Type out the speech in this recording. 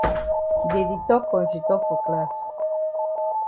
Dey di tok kontri tok for class.